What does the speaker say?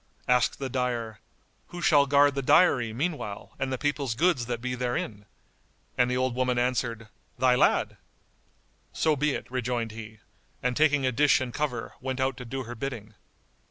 Asked the dyer, "Who shall guard the dyery meanwhile and the people's goods that be therein?"; and the old woman answered, "Thy lad!" "So be it," rejoined he, and taking a dish and cover, went out to do her bidding.